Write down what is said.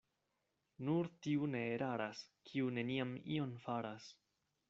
Nur tiu ne eraras, kiu neniam ion faras.